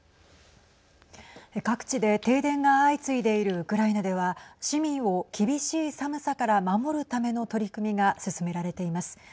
各地で停電が相次いでいるウクライナでは市民を厳しい寒さから守るための取り組みが進められています。